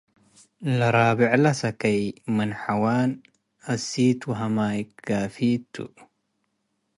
ለራቤዕለ ሰከይ ምን ሐዋን፡ እሲት ወሀማይ-ገፊት ቱ።